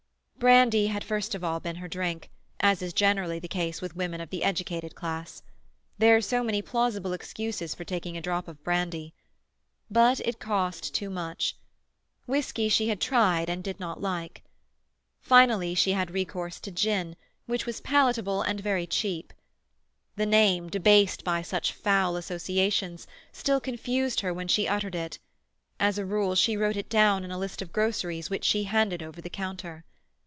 Brandy had first of all been her drink, as is generally the case with women of the educated class. There are so many plausible excuses for taking a drop of brandy. But it cost too much. Whisky she had tried, and did not like. Finally she had recourse to gin, which was palatable and very cheap. The name, debased by such foul associations, still confused her when she uttered it; as a rule, she wrote it down in a list of groceries which she handed over the counter.